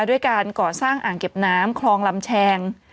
ด้วยการก่อสร้างอ่างเก็บน้ำคลองลำแชง